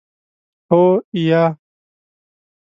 هو 👍 یا 👎